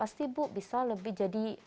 pasti bu bisa lebih jadi